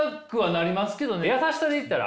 優しさでいったら？